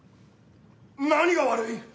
何が悪い？